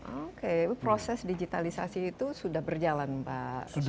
oke proses digitalisasi itu sudah berjalan pak